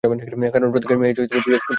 কারণ প্রত্যেক মেয়েই জ্যাজ কাছে নিরাপদ।